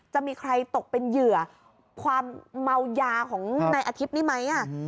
จะมีใครตกเป็นเหยื่อความเมาหยาของในอาทิบนี่ไหมอะ